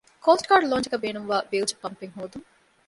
ކޯސްޓްގާޑް ލޯންޗަކަށް ބޭނުންވާ ބިލްޖް ޕަމްޕެއް ހޯދުން